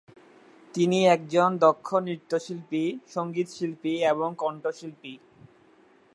তিনি একজন দক্ষ নৃত্যশিল্পী, সংগীতশিল্পী এবং কণ্ঠশিল্পী।